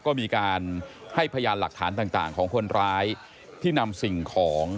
ก็มีการให้พยานหลักฐานต่างของคนร้ายที่นำสิ่งของ